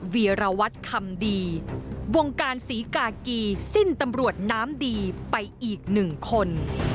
วีรวัตรคำดีวงการศรีกากีสิ้นตำรวจน้ำดีไปอีกหนึ่งคน